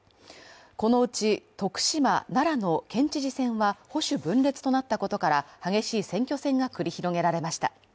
このうち、徳島、奈良の県知事選は保守分裂となったことから激しい選挙戦が繰り広げられました。